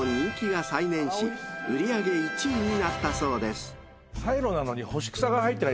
［売り上げ１位になったそうです］